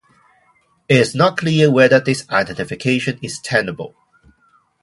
It is not clear whether this identification is tenable.